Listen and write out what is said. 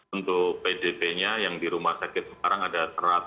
untuk pdp nya yang di rumah sakit semarang ada satu ratus lima puluh sembilan